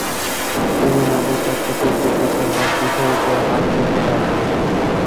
কুমু না বসে একটা চৌকির পিছনে তার পিঠের উপর হাত রেখে দাঁড়াল।